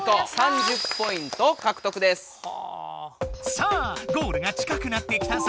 さあゴールが近くなってきたぞ！